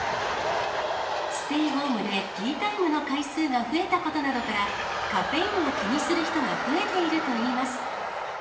ステイホームでティータイムの回数が増えたことなどから、カフェインを気にする人が増えているといいます。